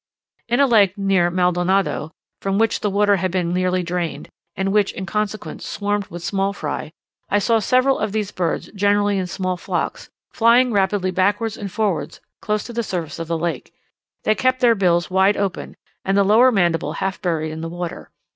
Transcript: In a lake near Maldonado, from which the water had been nearly drained, and which, in consequence, swarmed with small fry, I saw several of these birds, generally in small flocks, flying rapidly backwards and forwards close to the surface of the lake. They kept their bills wide open, and the lower mandible half buried in the water.